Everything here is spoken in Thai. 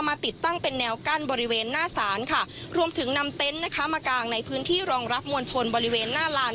ติดตั้งเป็นแนวกั้นบริเวณหน้าศาลค่ะรวมถึงนำเต็นต์นะคะมากางในพื้นที่รองรับมวลชนบริเวณหน้าลาน